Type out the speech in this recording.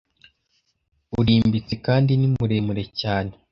urimbitse kandi ni muremure cyane